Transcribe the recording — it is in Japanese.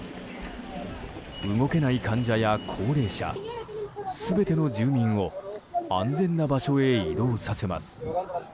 動けない患者や高齢者全ての住民を安全な場所へ移動させます。